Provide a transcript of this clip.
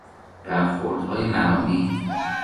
برخوردهای مرامی